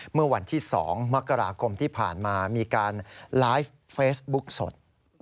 เมื่อวันที่๒มกราคมที่ผ่านมามีการไลฟ์เฟซบุ๊กสด